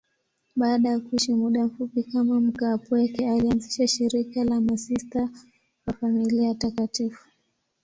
Baada ya kuishi muda mfupi kama mkaapweke, alianzisha shirika la Masista wa Familia Takatifu.